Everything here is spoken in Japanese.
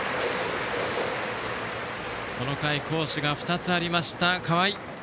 この回好守が２つありました河合。